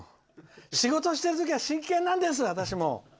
仕事してる時は真剣なんです、私も。